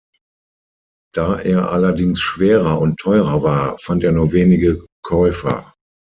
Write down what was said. Da er allerdings schwerer und teurer war, fand er nur wenige Käufer.